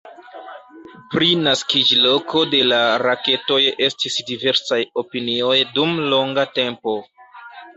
Pri naskiĝloko de la raketoj estis diversaj opinioj dum longa tempo.